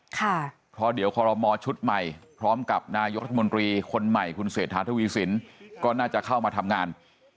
เพราะเดี๋ยวคอรมอชุดใหม่พร้อมกับนายกรัฐมนตรีคนใหม่คุณเศรษฐาทวีสินก็น่าจะเข้ามาทำงาน